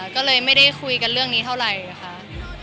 ก็เลยไม่ได้คุยกันเรื่องนี้เท่าไหร่ค่ะ